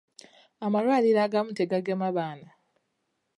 Amalwaliro agamu tegagema baana.